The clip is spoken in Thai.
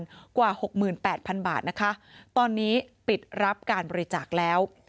กว่าหกหมื่นแปดพันบาทนะคะตอนนี้ปิดรับการบริจาคแล้ว